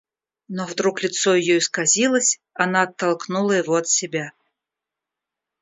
Но вдруг лицо ее исказилось, она оттолкнула его от себя.